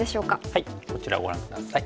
こちらをご覧下さい。